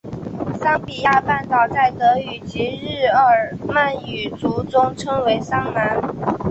桑比亚半岛在德语及日耳曼语族中称为桑兰。